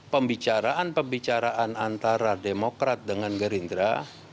pembicaraan pembicaraan antara demokrat dengan gerindra